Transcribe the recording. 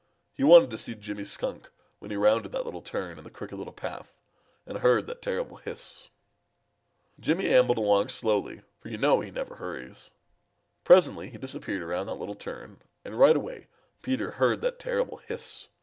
He wanted to see Jimmy Skunk when he rounded that little turn in the Crooked Little Path and heard that terrible hiss. Jimmy ambled along slowly, for you know he never hurries. Presently he disappeared around that little turn, and right away Peter heard that terrible hiss.